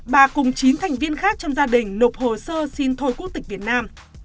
bà cùng chín thành viên khác trong gia đình nộp hồ sơ xin thôi quốc tịch việt nam